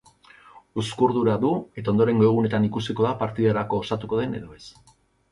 Uzkurdura du eta ondorengo egunetan ikusiko da partidarako osatuko den edo ez.